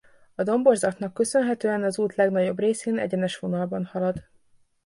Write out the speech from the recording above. A domborzatnak köszönhetően az út legnagyobb részén egyenes vonalban halad.